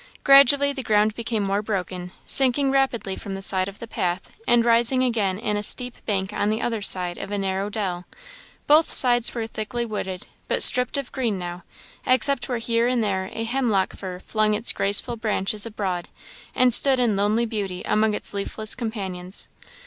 Gradually the ground became more broken, sinking rapidly from the side of the path, and rising again in a steep bank on the other side of a narrow dell; both sides were thickly wooded, but stripped of green now, except where here and there a hemlock fir flung its graceful branches abroad, and stood in lonely beauty among its leafless companions.